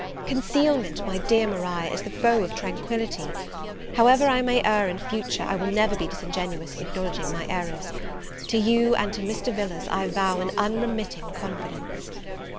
Concealment, my dear Maria, is the foe of tranquillity: however I may err in future, I will never be disingenuous in acknowledging my errors. To you and to Mr. Villars I vow an unremitting confidence.